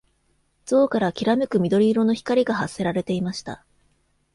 像からきらめく緑色の光が発せられていました。